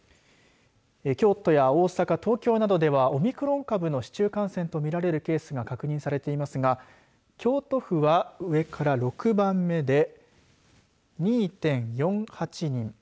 京都や大阪、東京などではオミクロン株の市中感染と見られるケースが確認されていますが、京都府は上から６番目で２．４８人。